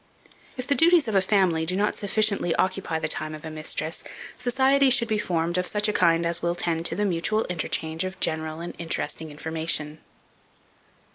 If the duties of a family do not sufficiently occupy the time of a mistress, society should be formed of such a kind as will tend to the mutual interchange of general and interesting information.